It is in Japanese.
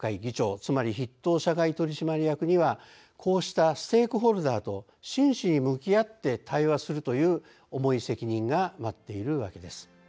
つまり筆頭社外取締役にはこうしたステークホルダーと真しに向き合って対話するという重い責任が待っているわけです。